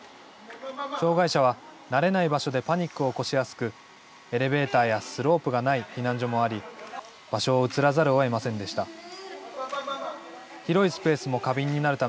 障害者は慣れない場所でパニックを起こしやすくエレベーターやスロープがない避難所もあり場所を移らざるをえませんでした。